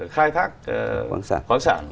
khai thác khoáng sản